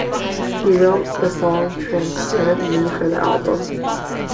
He wrote the song Transparent Me for the album.